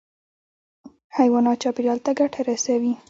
حیوانات چاپېریال ته ګټه رسوي.